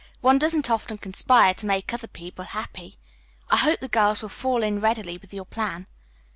"One doesn't often conspire to make other people happy. I hope the girls will fall in readily with your plan."